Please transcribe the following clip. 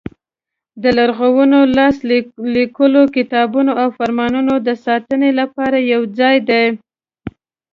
د لرغونو لاس لیکلو کتابونو او فرمانونو د ساتنې لپاره یو ځای دی.